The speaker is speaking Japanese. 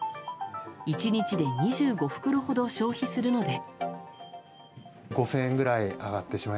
１日で２５袋ほど消費するので。